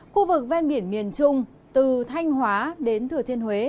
khu vực ven biển miền trung từ thanh hóa đến thừa thiên huế